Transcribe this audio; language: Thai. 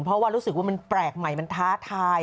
เพราะว่ารู้สึกว่ามันแปลกใหม่มันท้าทาย